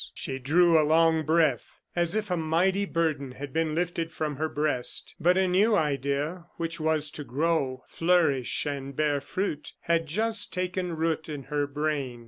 She drew a long breath, as if a mighty burden had been lifted from her breast. But a new idea, which was to grow, flourish, and bear fruit, had just taken root in her brain.